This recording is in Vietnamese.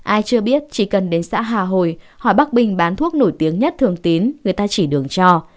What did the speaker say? ai chưa biết chỉ cần đến xã hà hồi hỏi bắc bình bán thuốc nổi tiếng nhất thường tín người ta chỉ đường cho